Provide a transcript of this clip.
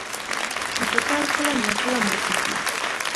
بوتل کله نا کله ماتېږي.